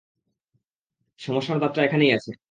সমস্যার দাঁতটা এখানেই আছে।